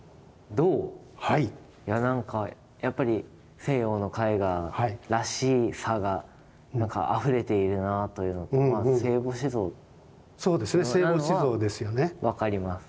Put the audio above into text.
いやなんかやっぱり西洋の絵画らしさがあふれているなというのと聖母子像なのは分かります。